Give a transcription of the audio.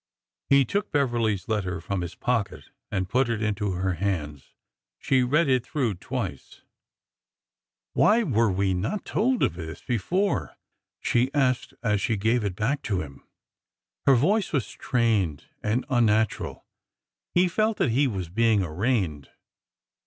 He took Beverly's letter from his pocket and put it into her hands. She read it through twice. 398 ORDER NO. 11 '' Why were we not |:old of this before ? she asked as she gave it back to him. Her voice was strained and un natural. He felt that he was being arraigned.